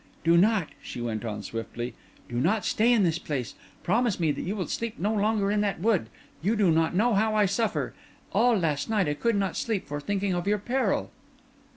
"Do not," she went, on swiftly, "do not stay in this place. Promise me that you will sleep no longer in that wood. You do not know how I suffer; all last night I could not sleep for thinking of your peril."